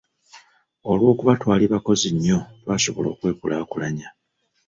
"Olw'okuba twali bakozi nnyo, twasobola okwekulaakulanya."